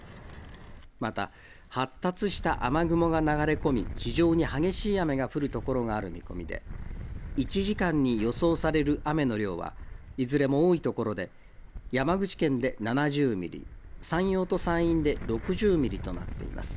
また発達した雨雲が流れ込み、非常に激しい雨が降る所がある見込みで、１時間に予想される雨の量は、いずれも多い所で山口県で７０ミリ、山陽と山陰で６０ミリとなっています。